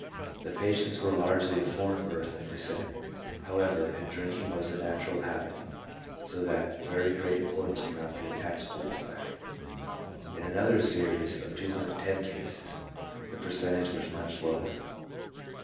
The patients were largely of foreign birth and descent, however, and drinking was the natural habit, so that very great importance cannot be attached to this fact. In another series of 210 cases the percentage was much lower.